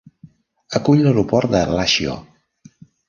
Acull l'aeroport de Lashio.